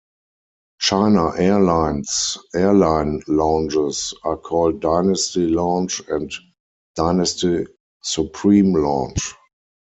China Airlines' airline lounges are called Dynasty Lounge and Dynasty Supreme Lounge.